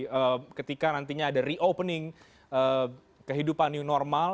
jadi ketika nantinya ada reopening kehidupan new normal